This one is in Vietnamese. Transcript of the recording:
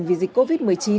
vì dịch covid một mươi chín